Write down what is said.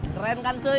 keren kan cuy